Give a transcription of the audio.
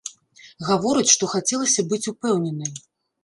Гаворыць, што хацелася быць упэўненай.